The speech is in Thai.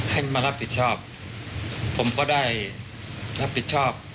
ให้มารับผิดชอบผมก็ได้รับผิดชอบ